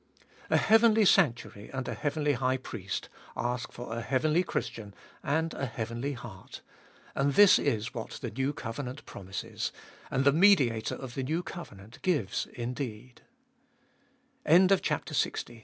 3. A heavenly sanctuary and a heavenly High Priest ash for a heavenly Christian and a heavenly heart. And this is what the new covenant promises, and the Mediator of the new covenant gives ind